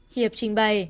hiệp trình bày